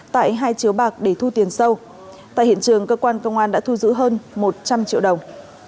tại hai chiếu bạc để thu tiền sâu tại hiện trường cơ quan công an đã thu giữ hơn một trăm linh triệu đồng